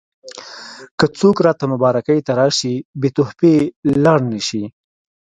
که څوک راته مبارکۍ ته راشي بې تحفې لاړ نه شي.